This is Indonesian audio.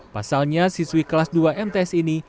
pasalnya siswi kelas dua mts ini